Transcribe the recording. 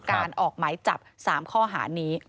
ออกหมายจับ๓ข้อหานี้